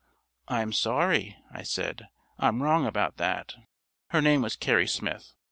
"I'm sorry," I said; "I'm wrong about that. Her name was Carrie Smith.